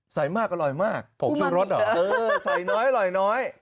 ใส่มากอร่อยมากผงชูรสเหรอเออใส่น้อยอร่อยน้อย